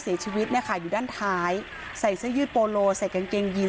เสียชีวิตเนี่ยค่ะอยู่ด้านท้ายใส่เสื้อยืดโปโลใส่กางเกงยีน